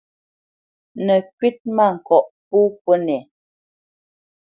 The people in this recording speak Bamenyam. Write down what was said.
Nə̌ kywítmâŋkɔʼ pô kúnɛ.